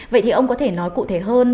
vậy thì ông có thể nói cụ thể hơn